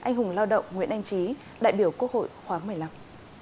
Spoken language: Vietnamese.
hùng lao động nguyễn anh trí đại biểu quốc hội khoảng một mươi năm